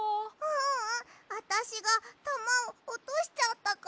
ううん。あたしがたまをおとしちゃったから。